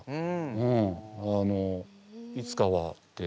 うんあのいつかはって。